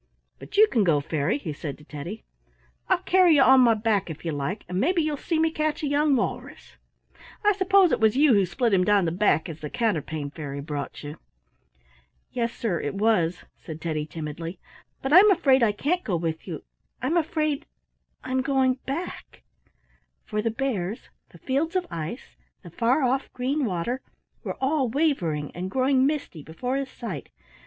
But you can go, Fairy," he said to Teddy. "I'll carry you on my back if you like, and maybe you'll see me catch a young walrus. I suppose it was you who split him down the back, as the Counterpane Fairy brought you." "Yes, sir, it was," said Teddy, timidly; "but I'm afraid I can't go with you; I'm afraid I'm going back," —for the bears, the fields of ice, the far off green water, were all wavering and growing misty before his sight.